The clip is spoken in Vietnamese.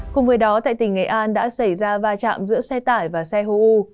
cùng với đó tại tỉnh nghệ an đã xảy ra va chạm giữa xe tải và xe hô u